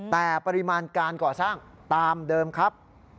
แต่ปริมาณการก่อสร้างตามเดิมครับ